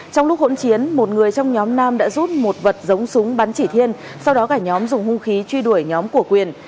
trong lúc hỗn chiến một người trong nhóm nam đã rút một vật giống súng bắn chỉ thiên sau đó cả nhóm dùng hung khí truy đuổi nhóm của quyền